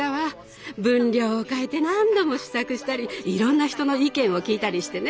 分量を変えて何度も試作したりいろんな人の意見を聞いたりしてね。